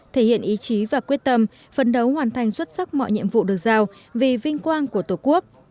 thể hiện ý chí và quyết tâm phấn đấu hoàn thành xuất sắc mọi nhiệm vụ được giao vì vinh quang của tổ quốc